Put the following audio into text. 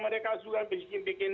mereka juga bikin